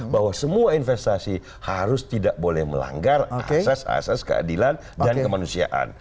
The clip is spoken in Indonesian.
bahwa semua investasi harus tidak boleh melanggar asas asas keadilan dan kemanusiaan